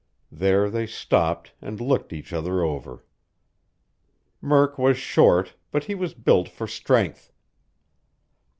There they stopped and looked each other over. Murk was short, but he was built for strength.